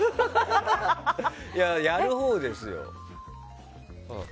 やるほうですよ。